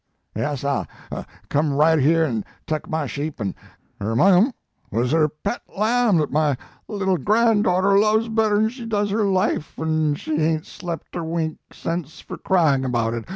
Yas, sah, come right here an tuck my sheep an ermong em wuz cr pet lamb that my little gran daughter loves better n she does her life an she hain t slep er wink sense fur cryin about it.